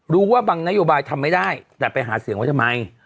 รู้ว่าบางนโยบายทำไม่ได้แต่ไปหาเสียงไว้ทำไม